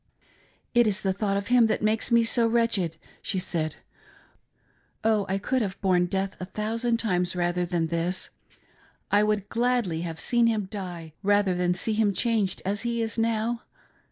"It is the thought of him that makes me so wretched," she said, "oh, I could have borne death a thousand times rather than this. I would gladly have seen him die rather than see him changed as he is now.